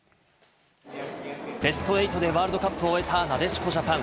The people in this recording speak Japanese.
ベスト８でワールドカップを終えた、なでしこジャパン。